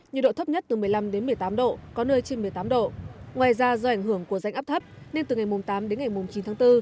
nhiệt độ thấp nhất từ một mươi năm đến một mươi tám độ có nơi trên một mươi tám độ ngoài ra do ảnh hưởng của rãnh áp thấp nên từ ngày tám đến ngày chín tháng bốn